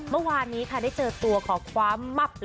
เมื่อวานนี้ได้เจอตัวขอครัวมับ